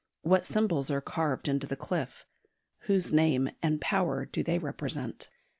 What symbols are carved into the cliff? Whose name and power do they represent?